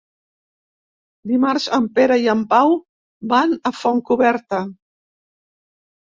Dimarts en Pere i en Pau van a Fontcoberta.